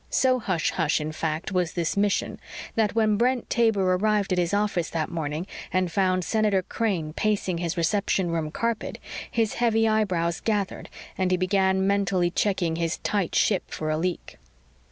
So hush hush, in fact, was this mission that when Brent Taber arrived at his office that morning and found Senator Crane pacing his reception room carpet, his heavy eyebrows gathered and he began mentally checking his "tight ship" for a leak.